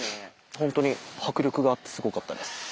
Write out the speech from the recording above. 本当に迫力があってすごかったです。